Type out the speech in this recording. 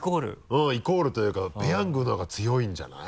うんイコールというか「ペヤング」の方が強いんじゃない？